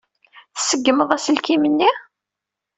Tṣeggem-d aselkim-nni?